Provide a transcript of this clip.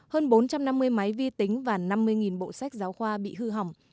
hơn bốn trăm năm mươi máy vi tính và năm mươi bộ sách giáo khoa bị hư hỏng